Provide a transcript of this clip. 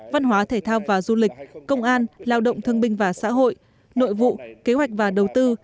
văn hóa thể thao và du lịch công an lao động thương binh và xã hội nội vụ kế hoạch và đầu tư